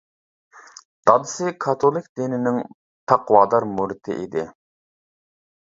دادىسى كاتولىك دىننىڭ تەقۋادار مۇرىتى ئىدى.